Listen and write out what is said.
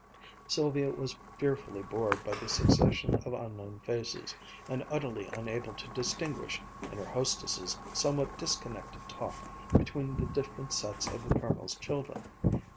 Sylvia was fearfully bored by the succession of unknown faces, and utterly unable to distinguish, in her hostess' somewhat disconnected talk, between the different sets of the Colonel's children.